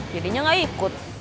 jadinya gak ikut